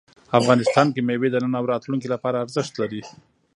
افغانستان کې مېوې د نن او راتلونکي لپاره ارزښت لري.